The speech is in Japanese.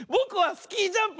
スキージャンプ！